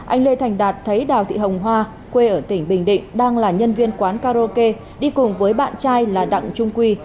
anh lê thành đạt thấy đào thị hồng hoa quê ở tỉnh bình định đang là nhân viên quán karaoke đi cùng với bạn trai là đặng trung quy